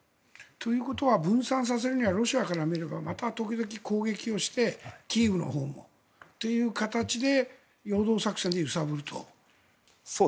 ということは分散させるにはロシアから見ればまた時々攻撃してキーウのほうもという形で陽動作戦で揺さぶると。